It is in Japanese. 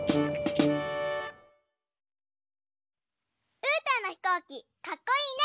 うーたんのひこうきかっこいいね！